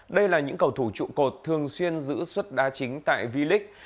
đây là những cầu thủ trụ cột thường xuyên giữ xuất đa chính tại v league